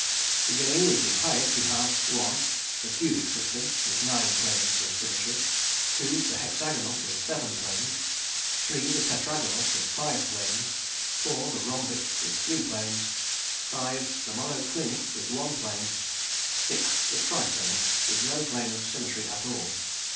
Beginning with the highest, we have (1) the cubic system, with nine planes of symmetry; (2) the hexagonal, with seven planes; (3) the tetragonal, with five planes; (4) the rhombic, with three planes; (5) the monoclinic, with one plane; (6) the triclinic, with no plane of symmetry at all.